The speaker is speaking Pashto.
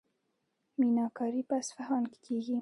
میناکاري په اصفهان کې کیږي.